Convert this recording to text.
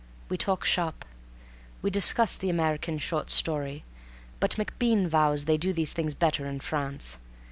We talk shop. We discuss the American short story, but MacBean vows they do these things better in France.